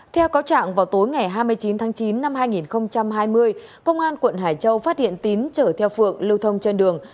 theo cáo trạng vào tối ngày hai mươi chín tháng chín năm hai nghìn hai mươi công an quận hải châu phát hiện tín chở theo phượng lưu thông trên đường